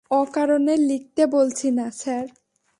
অকারণে লিখতে বলছি না স্যার।